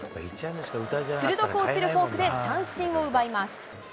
鋭く落ちるフォークで三振を奪います。